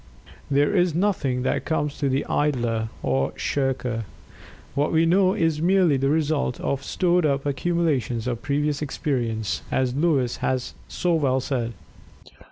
There is nothing that comes to the idler, or shirker. What we know is merely the result of "stored up accumulations of previous experience," as Lewes has so well said.